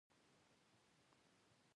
د سارا غمونو لولپه کړم.